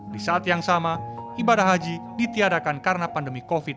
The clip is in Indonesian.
di saat yang sama ibadah haji ditiadakan karena pandemi covid sembilan belas